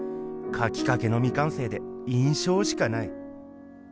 「かきかけのみかんせいで印象しかない」。